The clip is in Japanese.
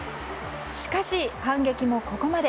しかし反撃もここまで。